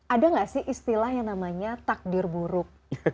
ada nggak sih istilah yang namanya takdir buruk